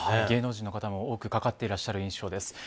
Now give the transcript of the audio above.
芸能人の方多くかかっている印象です。